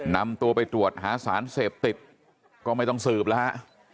นำตัวไปตรวจหาสารเสพติดก็ไม่ต้องสืบแล้วฮะ